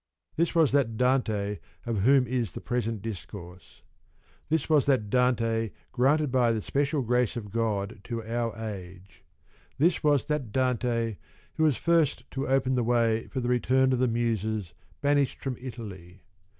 This was that Dante of whom is the present discourse. This was that Dante granted lo by the special grace of God to our age. This was that Dante who was first to open the way for the return of the Muses, banished from Italy.